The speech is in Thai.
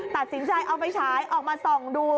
ตัดสินใจเอาไฟฉายออกมาส่องดู